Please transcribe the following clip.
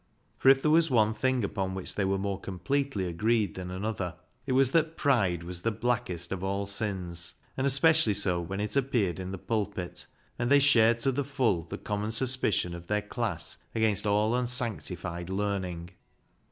For if there was one thing upon which they were more completely agreed than another, it was that pride was the blackest of all sins, and especially so when it appeared in the pulpit, and they shared to the full the common suspicion of their class against all unsanctified learning.